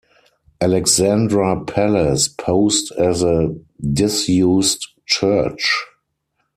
Alexandra Palace posed as a disused church.